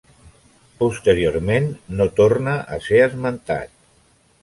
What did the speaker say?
Posteriorment no torna a ser esmentat.